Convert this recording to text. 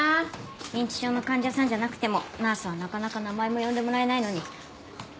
認知症の患者さんじゃなくてもナースはなかなか名前も呼んでもらえないのに。